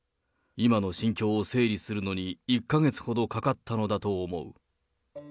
今の心境を整理するのに１か月ほどかかったのだと思う。